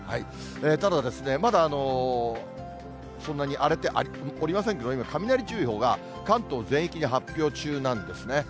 ただ、まだそんなに荒れておりませんけれども、今、雷注意報が、関東全域に発表中なんですね。